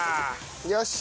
よし！